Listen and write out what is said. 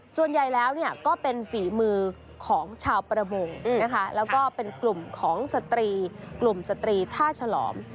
ส่วนใหญ่แล้วก็เป็นฝีมือของชาวประมงแล้วก็เป็นกลุ่มของสตรีท่าฉลอม